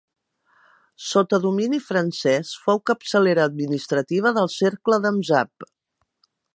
Sota domini francès, fou capçalera administrativa del cercle de Mzab.